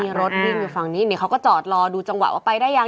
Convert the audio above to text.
มีรถวิ่งอยู่ฝั่งนี้เขาก็จอดรอดูจังหวะว่าไปได้ยัง